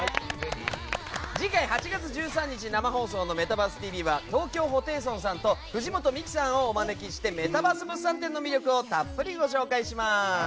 次回８月１３日生放送の「メタバースＴＶ！！」は東京ホテイソンさんと藤本美貴さんをお招きしてメタバース物産展の魅力をたっぷりご紹介します。